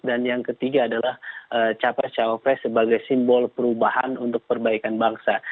dan yang ketiga adalah capres caopres sebagai simbol perubahan untuk perbaikan bangsa